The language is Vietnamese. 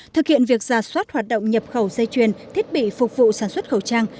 thực hiện việc giả soát hoạt động nhập khẩu dây chuyền thiết bị phục vụ sản xuất khẩu trang